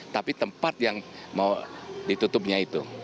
tapi tempat yang mau ditutupnya itu